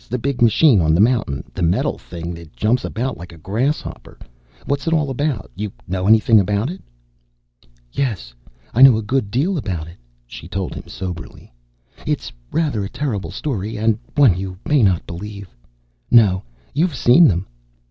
The big machine on the mountain? The metal thing that jumps about like a grasshopper? What's it all about? You know anything about it?" "Yes, I know a good deal about it," she told him soberly. "It's rather a terrible story. And one you may not believe no, you've seen them!